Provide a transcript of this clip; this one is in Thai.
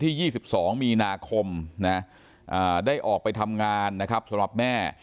๒๒มีนาคมนะได้ออกไปทำงานนะครับสำหรับแม่